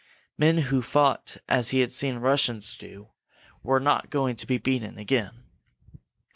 Men who fought as he had seen Russians do were not going to be beaten again.